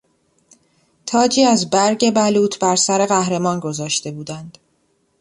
تاجی از برگ بلوط بر سر قهرمان گذاشته بودند.